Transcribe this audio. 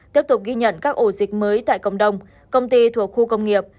tiếp tục ghi nhận các ổ dịch mới tại cộng đồng công ty thuộc khu công nghiệp